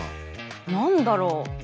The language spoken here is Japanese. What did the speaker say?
何だろう？